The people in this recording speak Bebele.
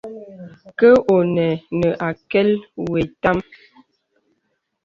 Kə ɔnə nə àkəl wɔ ìtâm.